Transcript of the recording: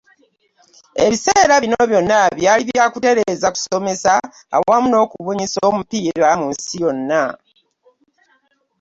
Ebiseera bino byonna byali byakutereeza, kusomesa awamu n’okubunyisa omupiira mu nsi yonna.